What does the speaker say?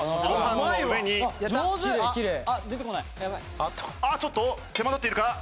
ああっちょっと手間取っているか？